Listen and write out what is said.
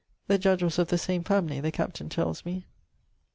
The judge was of the same family, the captain tells me.